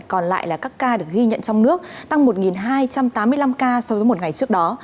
còn lại là các ca được ghi nhận trong nước tăng một hai trăm tám mươi năm ca so với một ngày trước đó